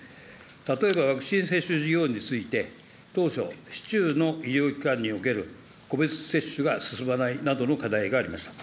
例えば、ワクチン接種事業について、当初、市中の医療機関における個別接種が進まないなどの課題がありました。